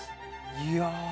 いや。